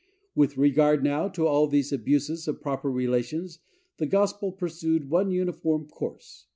With regard, now, to all these abuses of proper relations, the gospel pursued one uniform course.